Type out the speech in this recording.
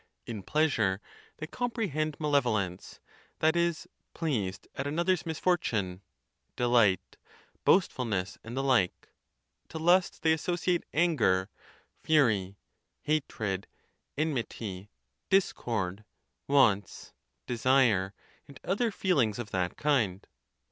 In pleasure they comprehend malevolence—that is, pleased at another's mis fortune—delight, boastfulness, and the like. To lust they associate anger, fury, hatred, enmity, discord, wants, desire, and other feelings of that kind. ON OTHER PERTURBATIONS OF THE MIND.